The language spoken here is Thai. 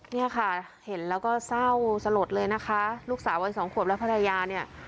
เนี่ยค่ะเห็นแล้วก็เศร้าสลดเลยนะคะลูกสาววัยสองขวบและภรรยาเนี่ย